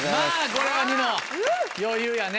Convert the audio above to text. これはニノ余裕やね。